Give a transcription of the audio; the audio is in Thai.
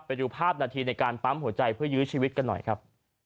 ไปดูภาพนาทีในการปั๊มหัวใจเพื่อยื้อชีวิตกันหน่อยครับ